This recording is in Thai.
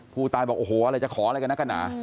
ผู้ตายบอกโอ้โหจะขออะไรกันนะกัน